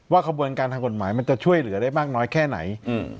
ขบวนการทางกฎหมายมันจะช่วยเหลือได้มากน้อยแค่ไหน